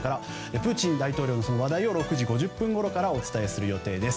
プーチン大統領の話題を６時５０分ごろからお伝えする予定です。